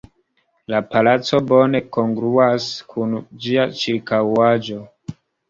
La palaco bone kongruas kun ĝia ĉirkaŭaĵo.